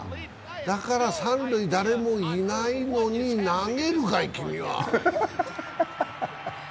だから三塁、誰もいないのに投げるかい、君は。